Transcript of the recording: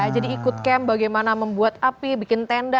jadi ikut camp bagaimana membuat api bikin tenda